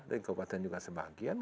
dari kabupaten juga sebagian